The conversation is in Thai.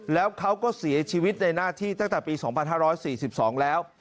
แล้วเขาก็เสียชีวิตในหน้าที่ตั้งแต่ปี๒๕๔๒แล้ว